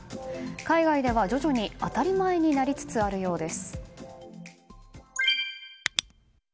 海外では徐々に当たり前になりつつあるようです。